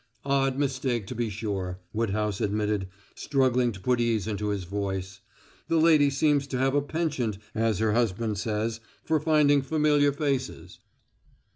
"Odd mistake, to be sure," Woodhouse admitted, struggling to put ease into his voice. "The lady seems to have a penchant, as her husband says, for finding familiar faces."